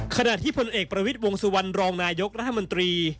ขณะที่พลเอกประวิทย์วงสุวรรณรองนายกรัฐมนตรี